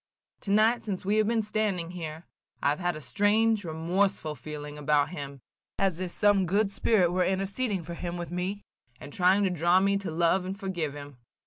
Tonight, since we have been standing here, I have had a strange, remorseful feeling about him, as if some good spirit were interceding for him with me, and trying to draw me to love and forgive him.